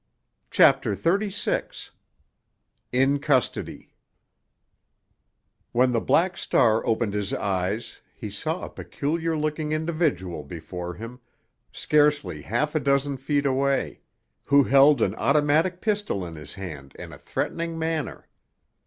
CHAPTER XXXVI—IN CUSTODY When the Black Star opened his eyes he saw a peculiar looking individual before him, scarcely half a dozen feet away, who held an automatic pistol in his hand in a threatening manner.